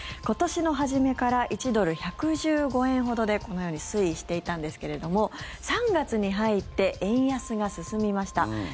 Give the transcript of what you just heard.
今年の初めから１ドル＝１１５円ほどでこのように推移していたんですけれども３月に入って円安が進みました。